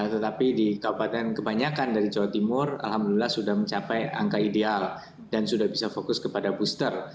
tetapi di kabupaten kebanyakan dari jawa timur alhamdulillah sudah mencapai angka ideal dan sudah bisa fokus kepada booster